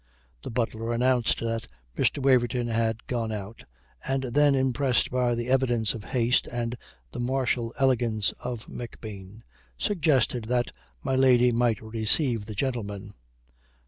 The butler announced that Mr. Waverton had gone out, and then impressed by the evidence of haste and the martial elegance of McBean, suggested that my lady might receive the gentleman.